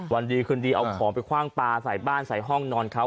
วันดีคืนดีเอาของไปคว่างปลาใส่บ้านใส่ห้องนอนเขา